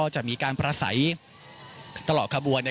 เชิญค่ะ